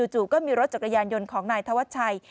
จู่ก็มีรถจักรยานยนต์ของนายธวัชชัย